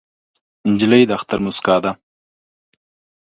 نجلۍ د اختر موسکا ده.